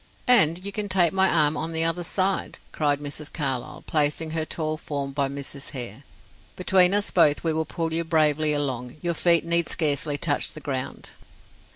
"And you can take my arm on the other side," cried Miss Carlyle, placing her tall form by Mrs. Hare. "Between us both we will pull you bravely along; your feet need scarcely touch the ground."